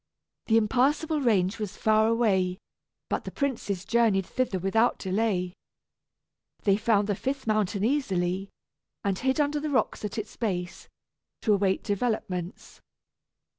The Impassable Range was far away, but the princes journeyed thither without delay. They found the fifth mountain easily, and hid under the rocks at its base, to await developments.